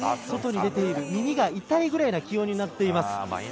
外に出ていると耳が痛いぐらいの気温になっています。